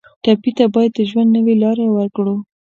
ټپي ته باید د ژوند نوې لاره ورکړو.